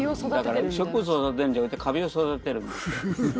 だから植物を育てるんじゃなくてカビを育てるんですよ。